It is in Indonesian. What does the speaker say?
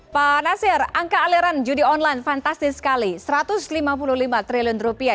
pak nasir angka aliran judi online fantastis sekali satu ratus lima puluh lima triliun rupiah